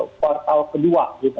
kuartal kedua gitu